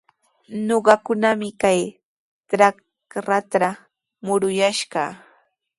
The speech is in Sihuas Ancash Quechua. Ñuqakunami kay trakratraw muruyaashaq.